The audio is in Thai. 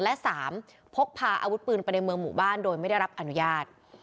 และ๓พกพาอาวุธปืนไปในเมืองหมู่บ้านโดยไม่ได้รับอนุญาต